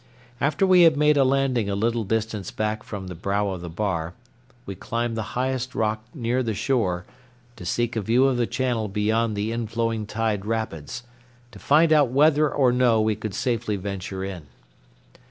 After we had made a landing a little distance back from the brow of the bar, we climbed the highest rock near the shore to seek a view of the channel beyond the inflowing tide rapids, to find out whether or no we could safely venture in.